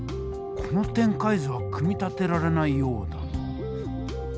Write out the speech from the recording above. この展開図は組み立てられないようだな。